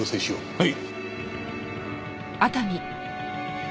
はい！